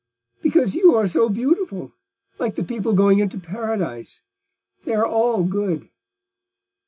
"Because you are so beautiful—like the people going into Paradise: they are all good."